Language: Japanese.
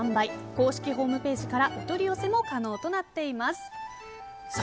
公式ホームページからお取り寄せも可能となっています。